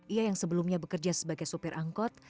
ia yang sebelumnya bekerja sebagai sopir angkot